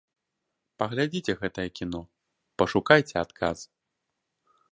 Паглядзіце гэтае кіно, пашукайце адказ.